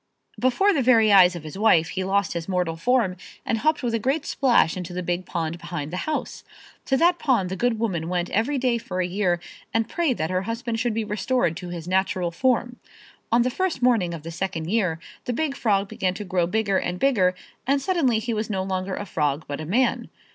Before the very eyes of his wife he lost his mortal form and hopped with a great splash into the big pond behind the house. To that pond the good woman went every day for a year and prayed that her husband should be restored to his natural form. On the first morning of the second year the big frog began to grow bigger and bigger and suddenly he was no longer a frog but a man.